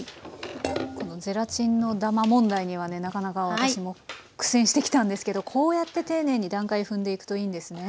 このゼラチンのダマ問題にはねなかなか私も苦戦してきたんですけどこうやって丁寧に段階踏んでいくといいんですね。